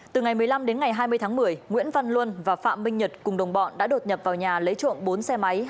từ ngày một mươi năm đến ngày hai mươi tháng một mươi nguyễn văn luân và phạm minh nhật cùng đồng bọn đã đột nhập vào nhà lấy trộm bốn xe máy